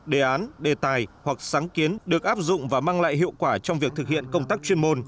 đề án đề tài hoặc sáng kiến được áp dụng và mang lại hiệu quả trong việc thực hiện công tác chuyên môn